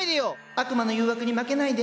悪魔の誘惑に負けないで！